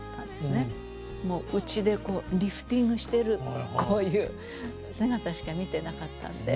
うちでこうリフティングしてるこういう姿しか見てなかったんで。